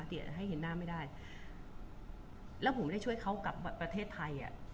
แต่ให้เห็นหน้าไม่ได้แล้วผมไม่ได้ช่วยเขากลับประเทศไทยอ่ะ